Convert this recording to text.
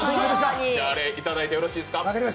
じゃあ、アレ、いただいてよろしいですか？